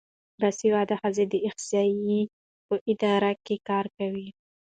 باسواده ښځې د احصایې په اداره کې کار کوي.